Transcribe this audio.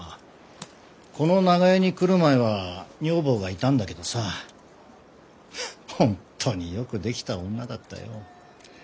この長屋に来る前は女房がいたんだけどさフッ本当によくできた女だったよ。